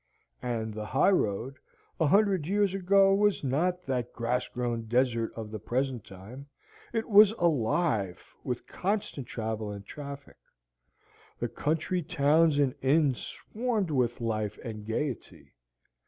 And the highroad, a hundred years ago, was not that grass grown desert of the present time. It was alive with constant travel and traffic: the country towns and inns swarmed with life and gaiety.